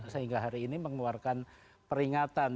sehingga hari ini mengeluarkan peringatan